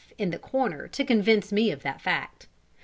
in the corner to convince me of the fact.